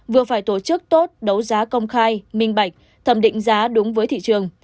vừa phải tổ chức tốt đấu giá công khai minh bạch thẩm định giá đúng với thị trường